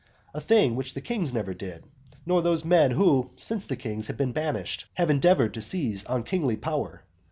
A thing which the kings never did, nor those men who, since the kings have been banished, have endeavoured to seize on kingly power.